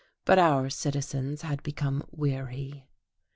But our citizens had become weary....